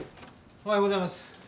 おはようございます。